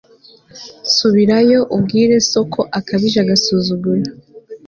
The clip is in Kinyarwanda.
subirayo ubwire so ko akabije agasuzuguro